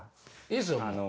いいですよ。